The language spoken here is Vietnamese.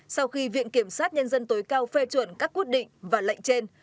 sau khi viện kiểm sát nhân dân tối cao phê chuẩn các quyết định và lệnh trên